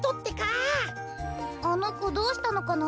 あのこどうしたのかな？